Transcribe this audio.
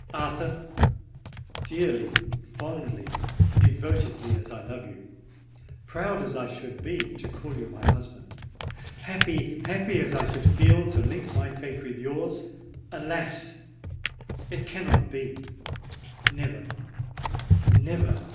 "Arthur—dearly, fondly, devotedly as I love you,—proud as I should be to call you my husband,—happy, happy as I should feel to link my fate with yours,—alas! it cannot be:—never—never!"